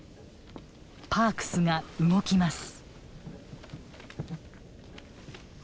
パークスが動きます。